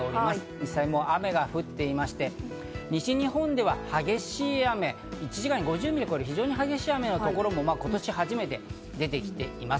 実際、もう雨が降っていまして、西日本では激しい雨、１時間に５０ミリを超える、激しい雨の所も今年初めて出てきています。